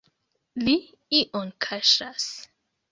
Li ion kaŝas!